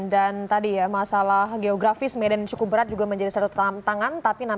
dan tadi ya masalah geografis medan cukup berat juga menjadi satu